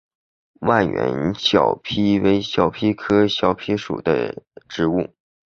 万源小檗为小檗科小檗属的植物。